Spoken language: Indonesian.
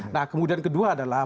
nah kemudian kedua adalah